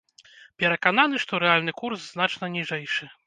Перакананы, што рэальны курс значна ніжэйшы.